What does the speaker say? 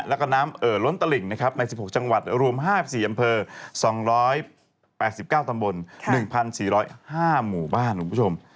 แล้วก็น้ำเอ่อล้นตลิ่งนะครับใน๑๖จังหวัดรวม๕๔อำเภอ๒๘๙ตำบล๑๔๐๕หมู่บ้านคุณผู้ชม